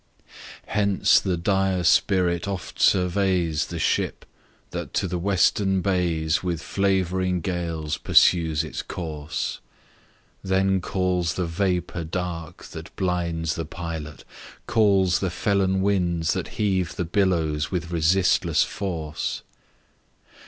Hence the dire spirit oft surveys The ship, that to the western bays With favouring gales pursues its course; Then calls the vapour dark that blinds The pilot, calls the felon winds That heave the billows with resistless force.